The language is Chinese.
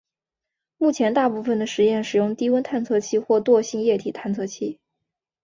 目前大部分的实验使用低温探测器或惰性液体探测器。